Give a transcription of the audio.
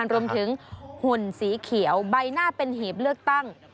หุ่นสีเขียวใบหน้าเป็นหีบเลือกตั้ง